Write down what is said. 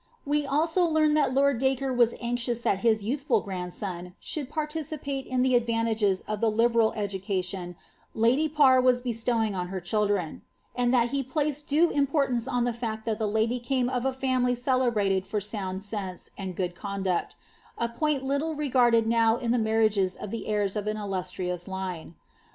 We also learn that lord Dacre was anxious that his yonUifiil grandson should participate in the advantages of the liberal educitifli lady Parr was bestowing on her children, and that he placed due in* portance on the fact that the lady came of a family celebrated for sound sense and good conduct, a point little regarded now in the marriages of the heirs of an illustrious line.